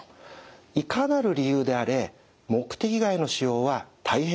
いかなる理由であれ目的外の使用は大変危険です。